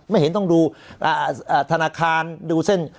ไม่เห็นต้องดูธนาคารดูเส้น